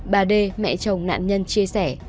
bà đê mẹ chồng nạn nhân chia sẻ